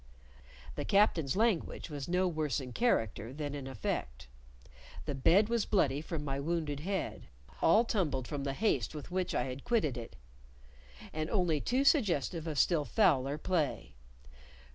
The captain's language was no worse in character than in effect: the bed was bloody from my wounded head, all tumbled from the haste with which I had quitted it, and only too suggestive of still fouler play.